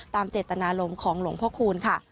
ตามเจตนาลมของหลวงพระคุณค่ะ